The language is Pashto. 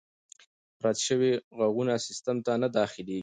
رد شوي ږغونه سیسټم ته نه داخلیږي.